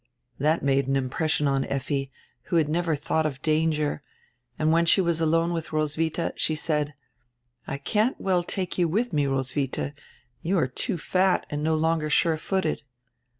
That made an impression on Effi, who had never thought of danger, and when she was alone with Roswitha, she said: "I can't well take you with me, Roswitha; you are too fat and no longer sure footed."